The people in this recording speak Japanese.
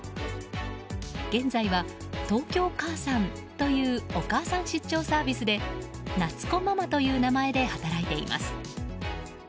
現在は、東京かあさんというお母さん出張サービスでなつこママという名前で働いています。